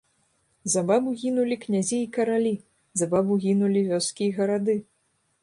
За бабу гінулі князі і каралі, за бабу гінулі вёскі і гарады.